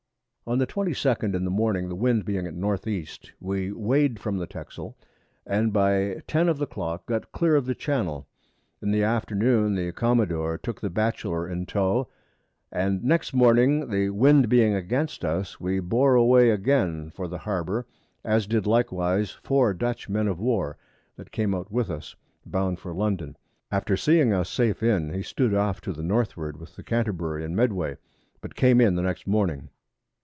On the 22d in the Morning, the Wind being at N. E. we weigh'd from the Texel, and by 10 of the Clock got clear of the Channel. In the Afternoon the Commodore took the Batchelor in Towe, and next Morning the Wind being against us, we bore away again for the Harbour, as did likewise 4 Dutch Men of War that came out with us, bound for London; after seeing us safe in, he stood off to the Northward with the Canterbury and Medway, but came in the next Morning.